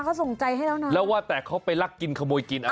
เขาส่งใจให้แล้วนะแล้วว่าแต่เขาไปลักกินขโมยกินอ่ะ